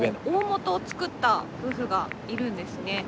大本を作った夫婦がいるんですね。